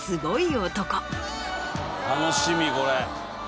楽しみこれ。